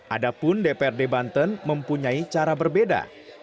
adapun dprd banten mempunyai cara berbeda